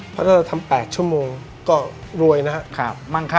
เพราะถ้าเราทำ๘ชั่วโมงก็รวยนะครับ